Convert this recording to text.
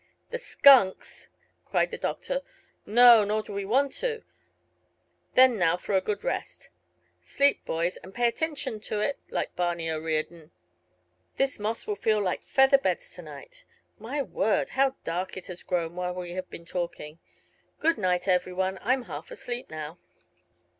"The skunks!" cried the doctor. "No, nor do we want to. Then now for a good rest. Sleep, boys, and `pay attintion to it,' like Barney O'Reardon. This moss will feel like feather beds to night. My word, how dark it has grown while we have been talking! Good night, every one. I'm half asleep now."